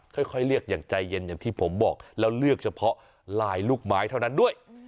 ค่อยเลือกอย่างใจเย็นอย่างที่ผมบอกแล้วเลือกเฉพาะลายลูกไม้เท่านั้นด้วย